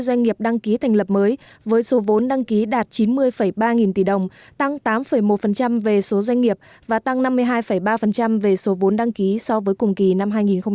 doanh nghiệp đăng ký thành lập mới với số vốn đăng ký đạt chín mươi ba nghìn tỷ đồng tăng tám một về số doanh nghiệp và tăng năm mươi hai ba về số vốn đăng ký so với cùng kỳ năm hai nghìn một mươi chín